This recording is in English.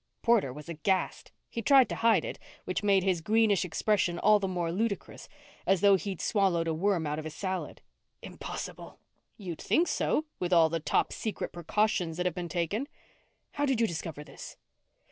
Porter was aghast. He tried to hide it, which made his greenish expression all the more ludicrous as though he'd swallowed a worm out of his salad. "Impossible." "You'd think so, with all the top secret precautions that have been taken." "How did you discover this?"